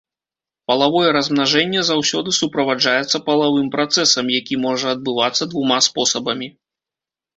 Палавое размнажэнне заўсёды суправаджаецца палавым працэсам, які можа адбывацца двума спосабамі.